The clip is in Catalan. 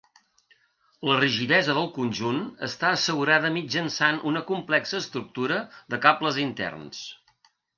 La rigidesa del conjunt està assegurada mitjançant una complexa estructura de cables interns.